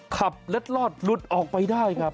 เล็ดลอดหลุดออกไปได้ครับ